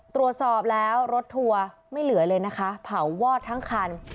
ตรวจสอบแล้วรถทัวร์ไม่เหลือเลยนะคะเผาวอดทั้งคัน